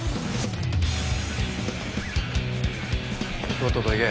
とっとと行け。